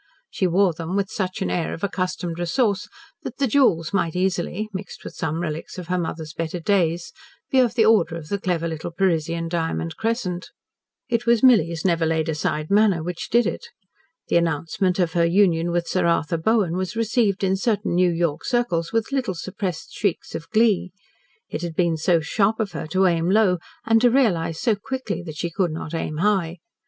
She wore them with such an air of accustomed resource that the jewels might easily mixed with some relics of her mother's better days be of the order of the clever little Parisian diamond crescent. It was Milly's never laid aside manner which did it. The announcement of her union with Sir Arthur Bowen was received in certain New York circles with little suppressed shrieks of glee. It had been so sharp of her to aim low and to realise so quickly that she could not aim high.